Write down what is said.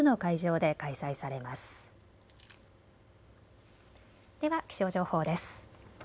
では気象情報です。